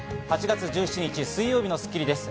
８月１７日、水曜日の『スッキリ』です。